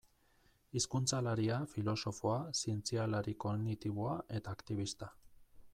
Hizkuntzalaria, filosofoa, zientzialari kognitiboa eta aktibista.